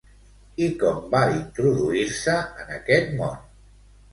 I com va introduir-se en aquest món?